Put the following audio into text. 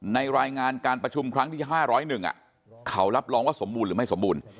รายงานการประชุมครั้งที่๕๐๑เขารับรองว่าสมบูรณ์หรือไม่สมบูรณ์